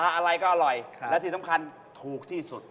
อะไรก็อร่อยและที่สำคัญถูกที่สุด